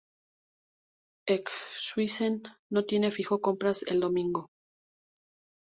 Enkhuizen no tiene fijo compras el domingo.